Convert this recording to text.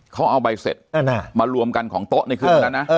เขาเอาใบเซ็ตมารวมกันของโต๊ะในคืนเลยนะ